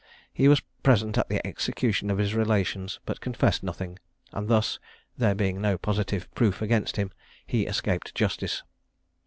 He was present at the execution of his relations, but confessed nothing; and thus (there being no positive proof against him) he escaped justice.